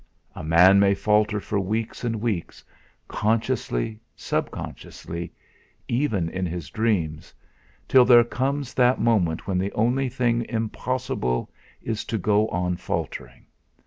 A man may falter for weeks and weeks, consciously, subconsciously, even in his dreams, till there comes that moment when the only thing impossible is to go on faltering.